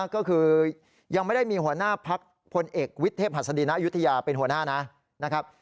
ก็คือยังไม่ได้มีหัวหน้าพักพลเอกวิทเทพหัสดีณอายุทยาเป็นหัวหน้านะครับ